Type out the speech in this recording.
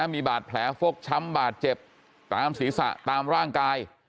มีบาดแผลฟกช้ำบาดเจ็บตามศีรษะตามร่างกาย